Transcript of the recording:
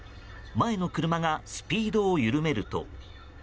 前の車がスピードを緩めると。